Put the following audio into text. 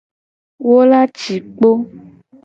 Wo la ci kpo.